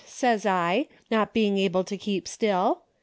says I, not being able to keep still.